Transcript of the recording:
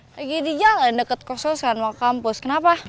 lagi di jalan deket kursus kan mau kampus kenapa